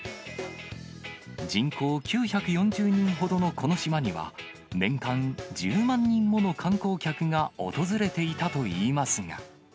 人口９４０人ほどのこの島には、年間１０万人もの観光客が訪れていたといいますが。